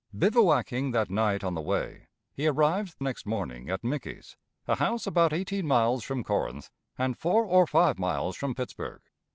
Bivouacking that night on the way, he arrived next morning at Mickey's, a house about eighteen miles from Corinth and four or five miles from Pittsburg.